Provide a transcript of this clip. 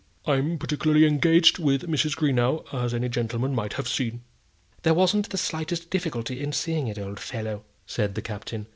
"I'm particularly engaged with Mrs. Greenow, as any gentleman might have seen." "There wasn't the slightest difficulty in seeing it, old fellow," said the Captain.